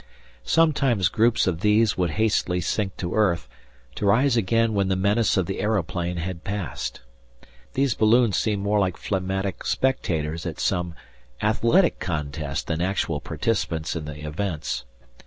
Sometimes groups of these would hastily sink to earth, to rise again when the menace of the aeroplane had passed. These balloons seemed more like phlegmatic spectators at some athletic contest than actual participants in the events.